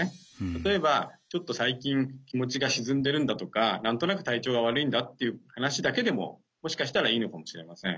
たとえばちょっと最近気持ちがしずんでるんだとか何となく体調が悪いんだっていう話だけでももしかしたらいいのかもしれません。